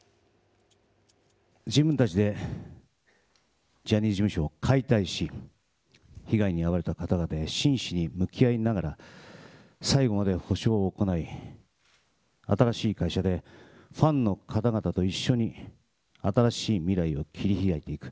自分たちでジャニーズ事務所を解体し、被害に遭われた方々に真摯に向き合いながら、最後まで補償を行い、新しい会社でファンの方々と一緒に、新しい未来を切り開いていく。